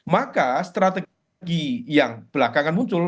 maka strategi yang belakangan muncul